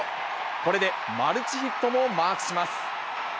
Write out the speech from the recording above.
これでマルチヒットもマークします。